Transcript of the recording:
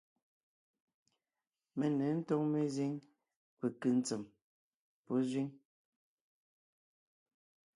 Mé ně ńtóŋ mezíŋ penkʉ́ ntsèm pɔ́ zẅíŋ.